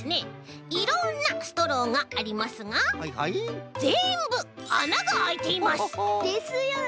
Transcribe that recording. いろんなストローがありますがぜんぶあながあいています！ですよね！